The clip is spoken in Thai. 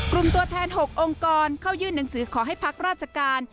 ตัวแทน๖องค์กรเข้ายื่นหนังสือขอให้พักราชการ